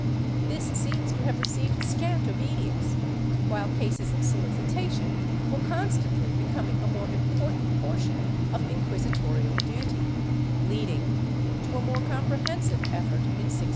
This seems to have received scant obedience, while cases of solicitation were constantly becoming a more important portion of inquisitorial duty, leading to a more comprehensive effort in 1647.